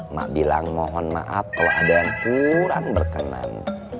ma bilang mohon maaf kalo ada yang kurang berkenan